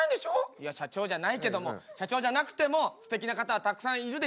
いや社長じゃないけども社長じゃなくてもすてきな方はたくさんいるでしょ。